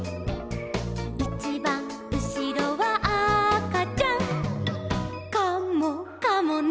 「いちばんうしろはあかちゃん」「カモかもね」